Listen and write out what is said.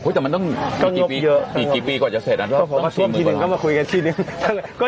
ก็น่บเยอะ